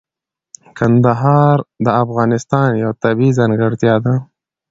کندهار د افغانستان یوه طبیعي ځانګړتیا ده.